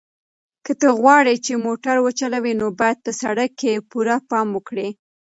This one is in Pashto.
که ته غواړې چې موټر وچلوې نو باید په سړک کې پوره پام وکړې.